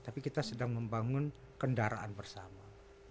tapi kita sedang membangun kendaraan bersama